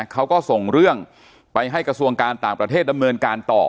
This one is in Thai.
เขาก็ส่งเรื่องไปให้กระทรวงการต่างประเทศดำเนินการต่อ